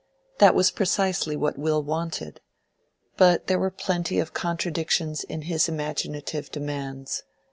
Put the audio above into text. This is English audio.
That was precisely what Will wanted. But there were plenty of contradictions in his imaginative demands.